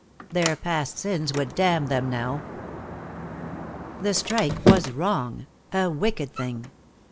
Their past sins would damn them now. The strike was wrong, a wicked thing.